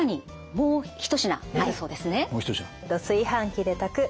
もう一品。